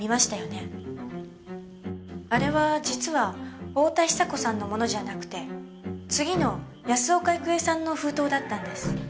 あれは実は太田久子さんのものじゃなくて次の安岡郁恵さんの封筒だったんです。